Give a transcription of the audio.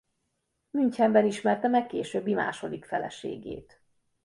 Münchenben ismerte meg későbbi második feleségét.